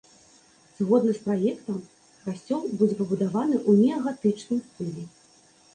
Згодна з праектам, касцёл будзе пабудаваны ў неагатычным стылі.